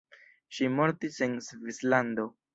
Ŝi mortis en Svislando.